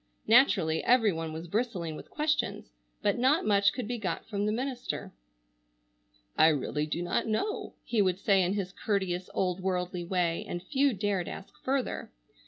Naturally every one was bristling with questions, but not much could be got from the minister. "I really do not know," he would say in his courteous, old worldly way, and few dared ask further.